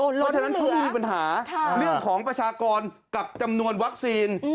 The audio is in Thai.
เพราะฉะนั้นคงมีปัญหาเรื่องของประชากรกับจำนวนวัคซีน